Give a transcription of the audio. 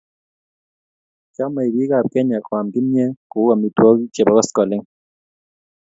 Chomei biik ab Kenya koam kimyee ko uu amitwokik che bo koskoleny